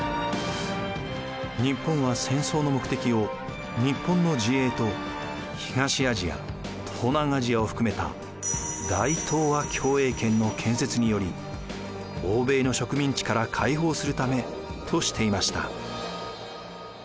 日本は戦争の目的を日本の自衛と東アジア東南アジアを含めた大東亜共栄圏の建設により欧米の植民地から解放するためとしていました。